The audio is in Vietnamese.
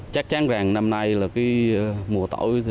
chắc chắn rằng năm nay là mùa tỏi